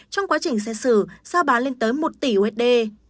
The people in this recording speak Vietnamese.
trong quá trình xe xử ra bán lên tới một tỷ usd